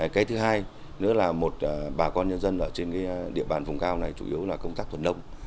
cái thứ hai nữa là một bà con nhân dân ở trên địa bàn vùng cao này chủ yếu là công tác thuần nông